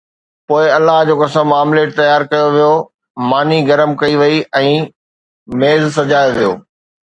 پوءِ الله جو قسم، آمليٽ تيار ڪيو ويو، ماني گرم ڪئي وئي ۽ ميز سجايو ويو